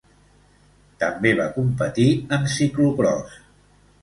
També va competir en ciclocròs.